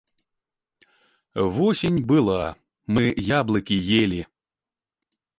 Восень была, мы яблыкі елі.